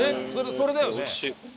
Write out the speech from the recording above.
それだよね？